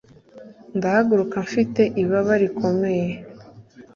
Ndahaguruka mfite ibaba rikomeye